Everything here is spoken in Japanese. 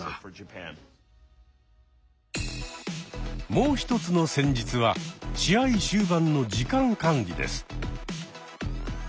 もう一つの戦術は試合終盤の時間管理です。